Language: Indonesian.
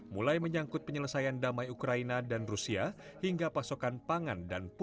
mulai menyangkut penyelesaian damai ukraina dan rusia hingga pasokan pangan